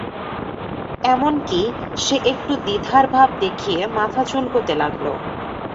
এমন-কী, সে একটু দ্বিধার ভাব দেখিয়ে মাথা চুলকোতে লাগল।